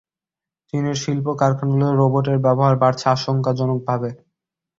চীনের শিল্প কারখানাগুলোতে রোবটের ব্যবহার বাড়ছে আশংকাজনক ভাবে।